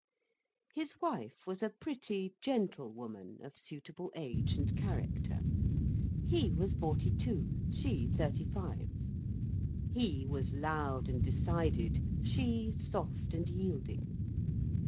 His wife was a pretty, gentle woman, of suitable age and character. He was forty two, she thirty five. He was loud and decided; she soft and yielding.